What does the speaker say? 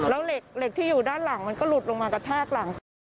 แล้วเหล็กที่อยู่ด้านหลังมันก็หลุดลงมากระแทกหลัง